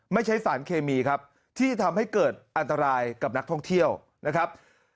ไม่ใช้สารเคมีครับที่ทำให้เกิดอันตรายกับนักท่องเที่ยวนะครับ